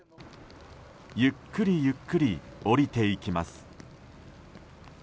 ゆっくりゆっくり下りていきます。